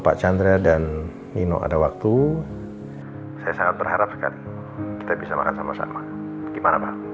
pak chandra dan nino ada waktu saya sangat berharap sekali kita bisa makan sama sama gimana pak